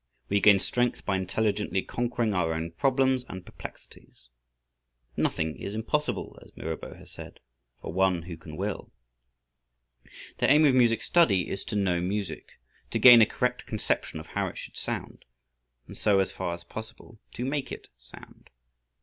We gain strength by intelligently conquering our own problems and perplexities. "Nothing is impossible," as Mirabeau has said, "for one who can will." The aim of music study is to know music, to gain a correct conception of how it should sound, and so, as far as possible, to make it sound.